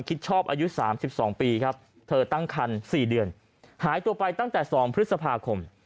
คิดชอบอายุ๓๒ปีครับเธอตั้งคัน๔เดือนหายตัวไปตั้งแต่๒พฤษภาคม